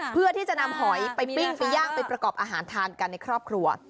เพื่อที่จะนำหอยไปปิ้งไปย่างไปประกอบอาหารทานกันในครอบครัว